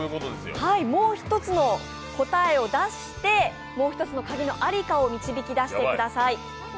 もう一つの答えを出してもう一つの鍵のありかを導き出してください。